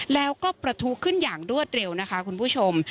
แล้วก็ประทุขึ้นอย่างรวดเร็วนะคะคุณผู้ชม